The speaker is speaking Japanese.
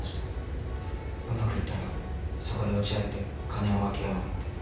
うまくいったらそこで落ち合って金を分け合おうって。